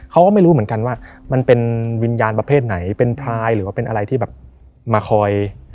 เขาก็ไม่รู้เหมือนกันว่ามันเป็นวิญญาณประเภทไหนเป็นพลายหรือว่าเป็นอะไรที่แบบมาคอย